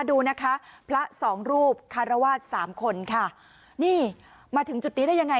ดูนะคะพระสองรูปคารวาสสามคนค่ะนี่มาถึงจุดนี้ได้ยังไง